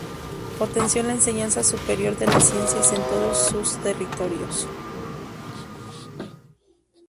Potenció la enseñanza superior de las ciencias en todos sus territorios.